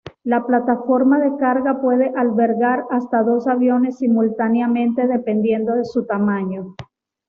La plataforma de carga puede albergar hasta dos aviones simultáneamente, dependiendo de su tamaño.